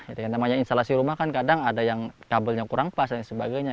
itu yang namanya instalasi rumah kan kadang ada yang kabelnya kurang pas dan sebagainya